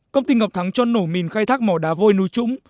công ty ngọc thắng cho nổ mìn khai thác mỏ đá vôi núi trũng